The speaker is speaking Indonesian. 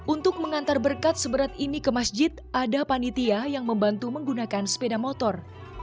untuk mengantar berkat seberat ini ke masjid ada panitia yang membantu menggunakan sepeda motor